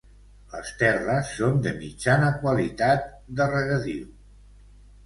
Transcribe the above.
Les terres són de mitjana qualitat, de regadiu.